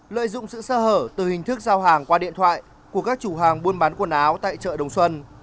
lợi dụng sự sơ hở từ hình thức giao hàng qua điện thoại của các chủ hàng buôn bán quần áo tại chợ đồng xuân